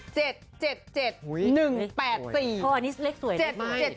เพราะอันนี้เลขสวย